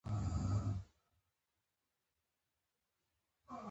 بهلول سمدستي وویل: وروره لمونځ دې ووایه.